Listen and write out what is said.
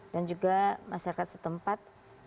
dan juga masyarakat setempat